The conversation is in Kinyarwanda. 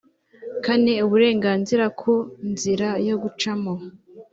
kane uburenganzira ku nzira yo gucamo